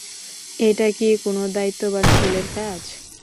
এটা কি কোনো দায়িত্ববান ছেলের কাজ?